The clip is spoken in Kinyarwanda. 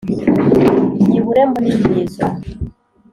nyibure mbone intizo,